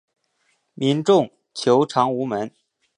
民众求偿无门